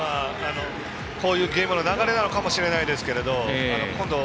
こういうゲームの流れがあるのかもしれないですけど今度は、